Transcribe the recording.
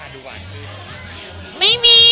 มันคิดว่าจะเป็นรายการหรือไม่มี